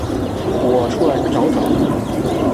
我出来找找